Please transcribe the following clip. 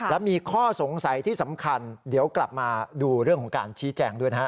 และมีข้อสงสัยที่สำคัญเดี๋ยวกลับมาดูเรื่องของการชี้แจงด้วยนะฮะ